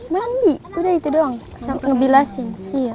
mandi udah itu doang ngebilasin